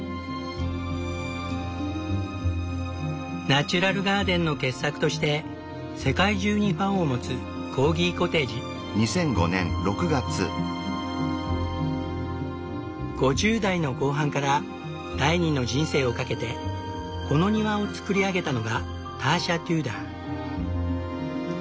ナチュラルガーデンの傑作として世界中にファンを持つ５０代の後半から第二の人生をかけてこの庭を造り上げたのがターシャ・テューダー。